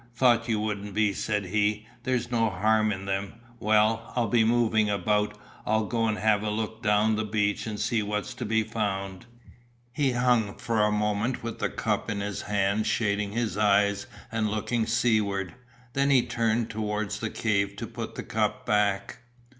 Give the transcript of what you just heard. "Thought you wouldn't be," said he, "there's no harm in them. Well, I'll be moving about. I'll go and have a look down the beach and see what's to be found." He hung for a moment with the cup in his hand shading his eyes and looking seaward, then he turned towards the cave to put the cup back.